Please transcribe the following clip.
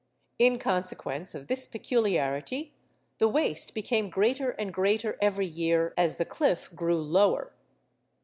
In consequence of this peculiarity, the waste became greater and greater every year as the cliff grew lower.